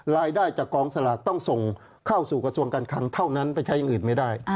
รายได้จากกองสลากต้องส่งเข้าสู่กระทรวงการคังเท่านั้นไปใช้อย่างอื่นไม่ได้